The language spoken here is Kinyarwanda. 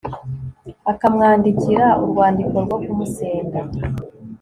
akamwandikira urwandiko rwo kumusenda